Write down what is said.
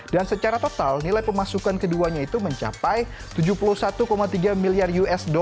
dan secara total nilai pemasukan keduanya itu mencapai tujuh puluh satu tiga miliar usd